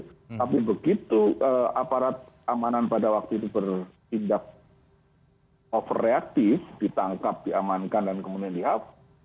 tapi begitu aparat amanan pada waktu itu berpindah overreaktif ditangkap diamankan dan kemudian dihapus